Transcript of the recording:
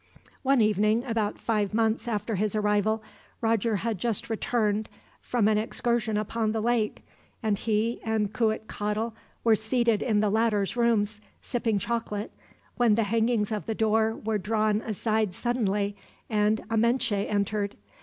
One evening, about five months after his arrival, Roger had just returned from an excursion upon the lake; and he and Cuitcatl were seated in the latter's rooms, sipping chocolate, when the hangings of the door were drawn aside suddenly, and Amenche entered.